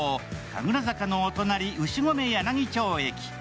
神楽坂のお隣、牛込柳町駅。